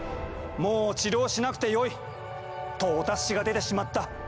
もう治療しなくてよい！とお達しが出てしまった。